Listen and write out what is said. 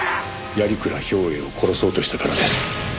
「鑓鞍兵衛を殺そうとしたからです」